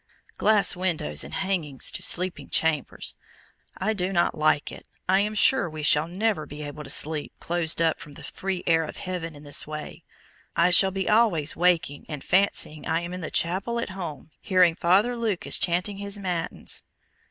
Glass windows and hangings to sleeping chambers! I do not like it I am sure we shall never be able to sleep, closed up from the free air of heaven in this way: I shall be always waking, and fancying I am in the chapel at home, hearing Father Lucas chanting his matins.